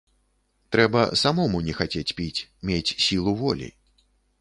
Трэба самому не хацець піць, мець сілу волі.